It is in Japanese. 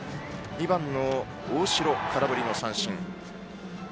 ２番の大城、空振りの三振。